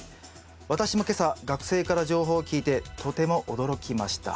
「私も今朝学生から情報を聞いてとても驚きました。